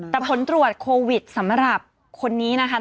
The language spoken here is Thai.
แต่ผลตรวจโควิดสำหรับคนนี้นะคะ